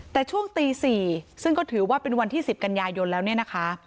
แต่ช่วงตี๔ซึ่งก็ถือว่าเป็นวันที่๑๐กันยายนแล้วเนี่ยนะคะ